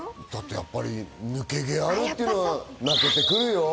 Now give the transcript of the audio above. やっぱり抜け毛があるっていうのは泣けてくるよ。